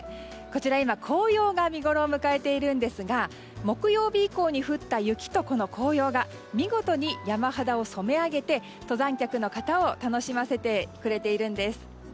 こちら紅葉が今、見ごろを迎えているんですが木曜日以降に降った雪と紅葉が見事に山肌を染め上げて登山客の方を楽しませてくれているんです。